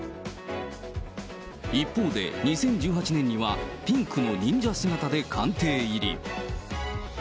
一方で、２０１８年にはピンクの忍者姿で官邸入り。